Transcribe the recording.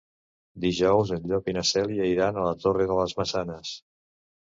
Dijous en Llop i na Cèlia iran a la Torre de les Maçanes.